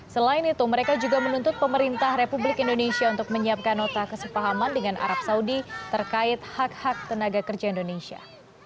selain itu mereka juga menuntut pemerintah republik indonesia untuk menyiapkan nota kesepahaman dengan arab saudi terkait hak hak tenaga kerja indonesia